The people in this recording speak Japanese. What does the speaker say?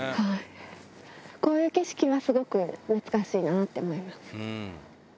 こういう景色はすごく懐かしいなぁって思います。